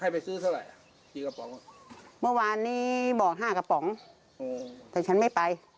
ไปซื้อเท่าไหร่กี่กระป๋องเมื่อวานนี้บอกห้ากระป๋องแต่ฉันไม่ไป